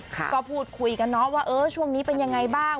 ก็พูดคุยกันเนาะว่าเออช่วงนี้เป็นยังไงบ้าง